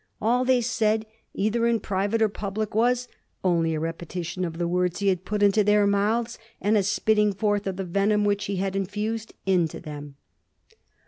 All they said, either in private or public, was '^ only a repeti* tion of the words he had put into their mouths, and a spit ting forth of the venom which he had infused into them.'